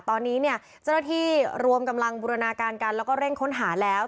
ตอนนี้เนี่ยเจ้าหน้าที่รวมกำลังบูรณาการกันแล้วก็เร่งค้นหาแล้ว